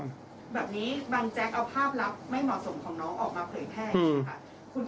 แบบนี้บางแจ๊กเอาภาพลับไม่เหมาะสมของน้องออกมาเผยแพร่อย่างนี้ค่ะ